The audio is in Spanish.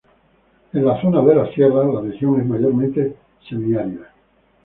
En las zonas de las sierras, la región es mayormente semiárida.